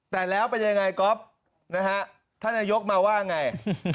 แต่แล้วเป็นอย่างไรก๊อบท่านนายกมาว่าอย่างไร